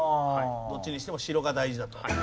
どっちにしても城が大事だと。